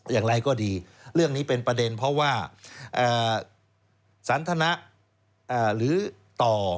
อย่างไรก็ดีเรื่องนี้เป็นประเด็นเพราะว่าสันทนะหรือต่อ